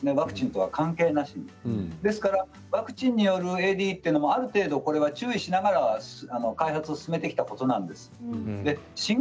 ワクチンとは関係なしにですからワクチンによるＡＤＥというのもある程度、注意しながら開発を進めてきたことなんです。